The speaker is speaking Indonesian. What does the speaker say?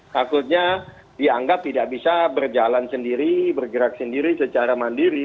takutnya dianggap tidak bisa berjalan sendiri bergerak sendiri secara mandiri